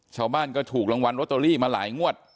ชาวบ้านก็ถูกรางวัลลอตเตอรี่มาหลายงวด